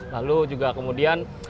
lalu juga kemudian